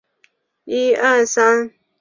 警视厅刑事部搜查第一课搜查官。